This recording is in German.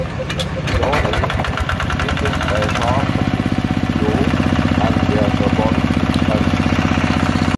Delaunay studierte bei Jean-Baptiste Biot an der Sorbonne in Paris.